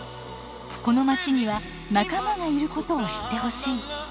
このまちには仲間がいることを知ってほしい。